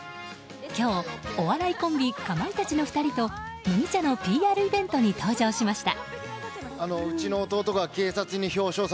今日、お笑いコンビかまいたちの２人と麦茶のＰＲイベントに登場しました。